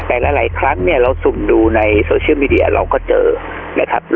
แต่หลายครั้งเนี่ยเราสุ่มดูในโซเชียลมีเดียเราก็เจอนะครับ